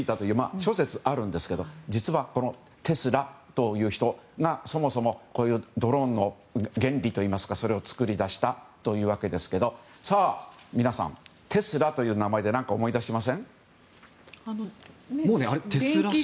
諸説あるんですけど実はテスラという人がそもそもドローンの原理を作り出したというわけですけど皆さん、テスラという名前で何か思い出しません？